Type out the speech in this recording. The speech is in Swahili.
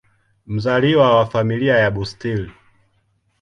Mzaliwa wa Familia ya Bustill.